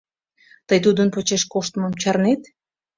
Тый тудын почеш коштмым чарнет.